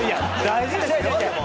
大事ですよでも。